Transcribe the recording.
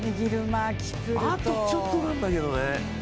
あとちょっとなんだけどね。